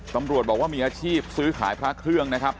ตำรวจบอกว่ามีอาชีพซื้อขายพระเครื่องนะครับ